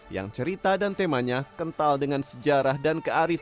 yang cerita dan temanya kental dengan sejarah dan kearifan